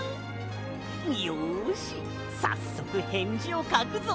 よしさっそくへんじをかくぞ！